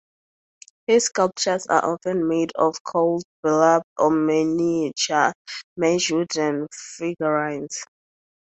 His sculptures are often made of coiled burlap or miniature merged wooden figurines.